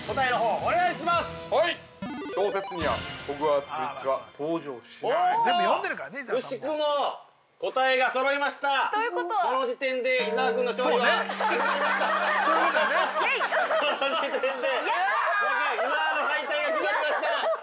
◆今の時点で伊沢の敗退が決まりました！